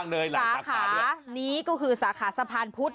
แม่นางเจ้าพยาพูด